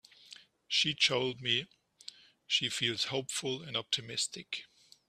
She told me she feels hopeful and optimistic.